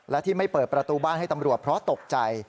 และที่ไม่เปิดประตูบ้านให้ตำรวจเพราะตกใจ